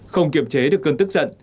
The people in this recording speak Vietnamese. không kiểm chế được cơn tức giận